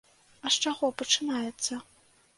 А з чаго пачынаецца?